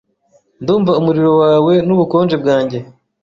ndumva umuriro wawe nubukonje bwanjye